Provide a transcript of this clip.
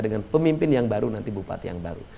dengan pemimpin yang baru nanti bupati yang baru